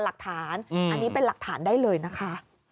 หลักฐานอันนี้เป็นหลักฐานได้เลยนะคะ